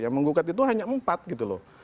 yang menggugat itu hanya empat gitu loh